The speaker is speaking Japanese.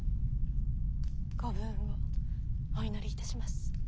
ご武運をお祈りいたします。